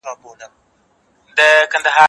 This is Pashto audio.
زه مخکي لوبه کړې وه؟!